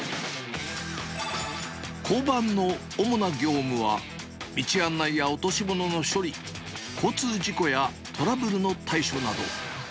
交番の主な業務は、道案内や落し物の処理、交通事故やトラブルの対処など。